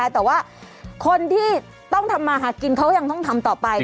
แต่ว่าคนที่ต้องทำมาหากินเขายังต้องทำต่อไป